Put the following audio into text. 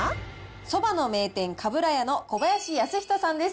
そばの名店、かぶらやの小林恭仁さんです。